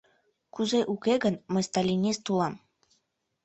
— Кузе уке гын, мый сталинист улам.